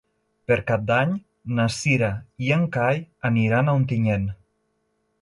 Per Cap d'Any na Cira i en Cai aniran a Ontinyent.